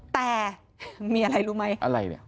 แต่มีอะไรรู้ไหมอะไรเนี่ย